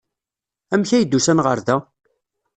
Amek ay d-usan ɣer da?